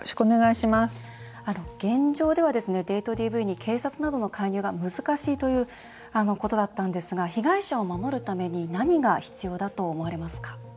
現状ではデートＤＶに警察などの介入が難しいということだったんですが被害者を守るために何が必要だと思われますか？